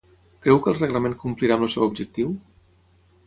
Creu que el reglament complirà amb el seu objectiu?